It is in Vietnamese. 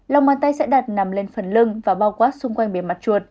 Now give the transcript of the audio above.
lông bàn tay sẽ đặt nằm lên phần lưng và bao quát xung quanh bề mặt chuột